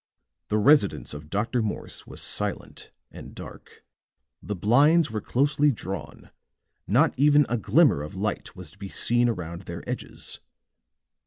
The residence of Dr. Morse was silent and dark; the blinds were closely drawn; not even a glimmer of light was to be seen around their edges.